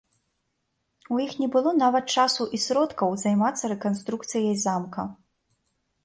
У іх не было нават часу і сродкаў займацца рэканструкцыяй замка.